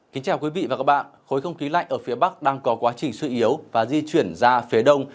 kính chào quý vị và các bạn khối không khí lạnh ở phía bắc đang có quá trình suy yếu và di chuyển ra phía đông